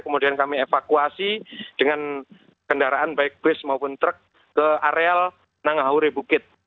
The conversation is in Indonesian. kemudian kami evakuasi dengan kendaraan baik bus maupun truk ke areal nangahuri bukit